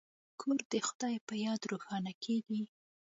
کور د خدای په یاد روښانه کیږي.